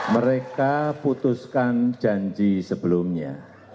mereka putuskan janji sebelumnya